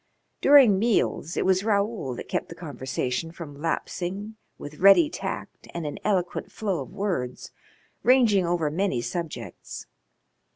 During meals it was Raoul that kept the conversation from lapsing with ready tact and an eloquent flow of words, ranging over many subjects.